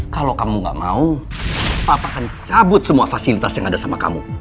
kalau kamu gak mau papa akan cabut semua fasilitas yang ada sama kamu